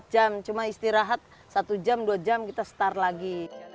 empat jam cuma istirahat satu jam dua jam kita start lagi